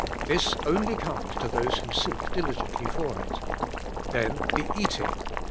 This only comes to those who seek diligently for it. Then the Eating.